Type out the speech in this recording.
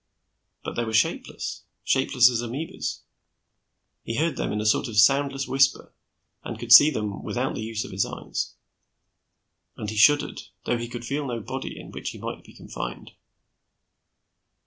But they were shapeless, shapeless as amoebas. He heard them in a sort of soundless whisper, and could see them without the use of eyes. And he shuddered, though he could feel no body in which he might be confined.